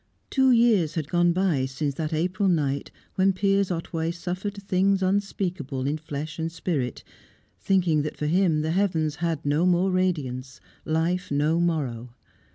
Two years had gone by since that April night when Piers Otway suffered things unspeakable in flesh and spirit, thinking that for him the heavens had no more radiance, life no morrow.